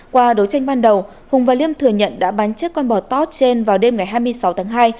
qua đối tranh ban đầu hùng và liêm thừa nhận đã bán chết con bỏ tót trên vào đêm ngày hai mươi sáu tháng hai